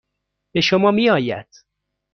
به شما میآید.